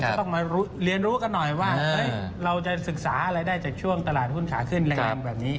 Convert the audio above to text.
จะต้องมาเรียนรู้กันหน่อยว่าเราจะศึกษาอะไรได้จากช่วงตลาดหุ้นขาขึ้นแรงแบบนี้